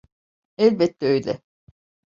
Elbette öyle.